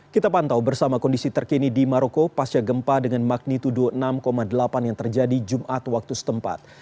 kita pantau bersama kondisi terkini di maroko pasca gempa dengan magnitudo enam delapan yang terjadi jumat waktu setempat